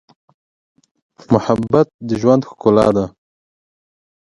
محبت د ژوند ښکلا ده.